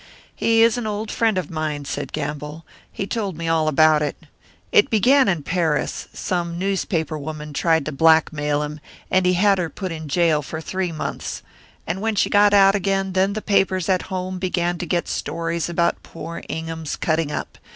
"He is an old friend of mine," said Gamble; "he told me all about it. It began in Paris some newspaper woman tried to blackmail him, and he had her put in jail for three months. And when she got out again, then the papers at home began to get stories about poor Ingham's cutting up.